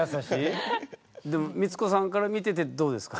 でも光子さんから見ててどうですか？